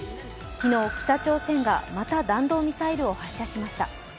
昨日、北朝鮮がまた弾道ミサイルを発射しました。